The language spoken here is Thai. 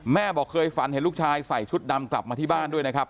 แม่บอกเคยฝันเห็นลูกชายใส่ชุดดำกลับมาที่บ้านด้วยนะครับ